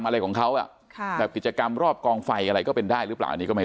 อะไรของเขาอ่ะอ่ะกิจกรรมรอบกองไฟอะไรก็เป็นได้หรือ